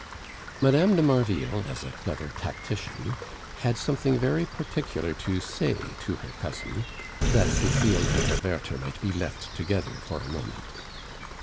Mme. de Marville, as a clever tactician, had something very particular to say to her cousin, that Cecile and her Werther might be left together for a moment.